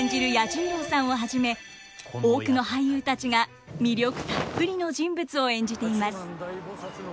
彌十郎さんをはじめ多くの俳優たちが魅力たっぷりの人物を演じています。